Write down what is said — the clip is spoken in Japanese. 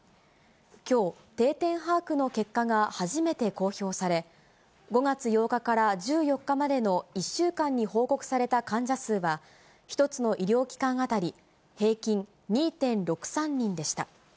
きょう、定点把握の結果が初めて公表され、５月８日から１４日までの１週間に報告された患者数は、１つの医療機関当たり平均２．６３人でした。